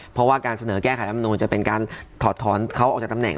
เพราะว่าการเสนอแก้ไขรำนูลจะเป็นการถอดถอนเขาออกจากตำแหน